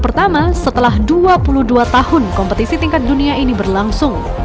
pertama setelah dua puluh dua tahun kompetisi tingkat dunia ini berlangsung